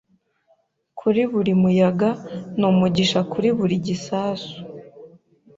kuri buri muyaga numugisha kuri buri gisasu